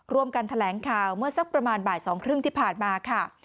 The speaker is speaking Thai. กันแถลงข่าวเมื่อสักประมาณบ่าย๒๓๐ที่ผ่านมาค่ะ